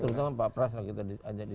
terutama pak pras lagi tadi